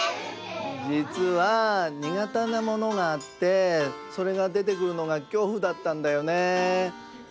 じつはにがてなものがあってそれがでてくるのが恐怖だったんだよね。